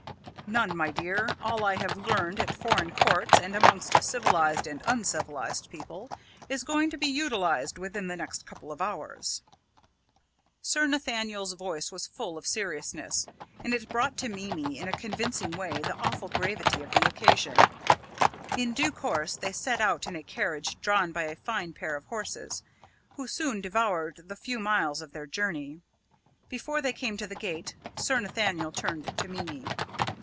"None, my dear. All I have learned at foreign courts, and amongst civilised and uncivilised people, is going to be utilised within the next couple of hours." Sir Nathaniel's voice was full of seriousness, and it brought to Mimi in a convincing way the awful gravity of the occasion. In due course, they set out in a carriage drawn by a fine pair of horses, who soon devoured the few miles of their journey. Before they came to the gate, Sir Nathaniel turned to Mimi.